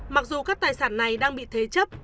mặc dù các tài sản này đang bị thế chấp